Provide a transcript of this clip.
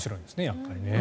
やっぱりね。